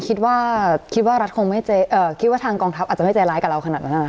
ก็จริงคิดว่าทางกองทัพอาจจะไม่ใจร้ายกับเราขนาดนั้น